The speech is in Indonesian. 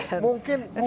nah itu mungkin ada